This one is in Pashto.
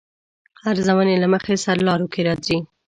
ارزونې له مخې سرلارو کې راځي.